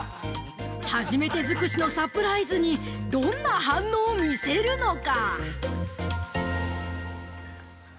初めて尽くしのサプライズにどんな反応を見せるのか！？